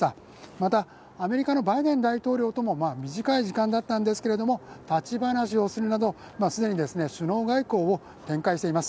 また、アメリカのバイデン大統領とも短い時間だったんですけれども、立ち話をするなど、既に首脳外交を展開しています。